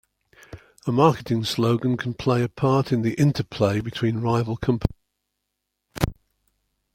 A marketing slogan can play a part in the interplay between rival companies.